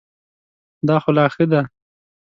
دا خو لا ښه دی .